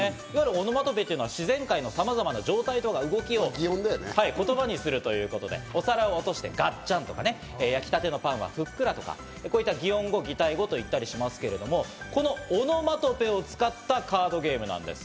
オノマトペというのは自然界のさまざまな状態とか動きを言葉にするということで、お皿を落として「ガッチャン」とか、焼きたてのパンは「ふっくら」とか、こういった擬音語・擬態語と言ったりしますけど、このオノマトペを使ったカードゲームなんです。